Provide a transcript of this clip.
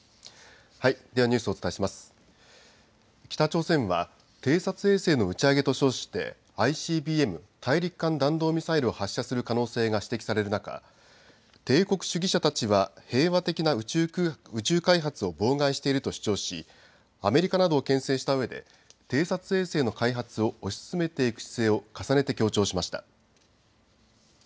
北朝鮮は偵察衛星の打ち上げと称してＩＣＢＭ・大陸間弾道ミサイルを発射する可能性が指摘される中帝国主義者たちは平和的な宇宙開発を妨害していると主張しアメリカなどをけん制したうえで偵察衛星の開発を推し進めていく姿勢を重ねて強調しました。